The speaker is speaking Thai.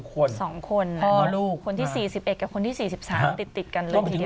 คนที่๔๑กับคนที่๔๓ติดกันเลยทีเดียว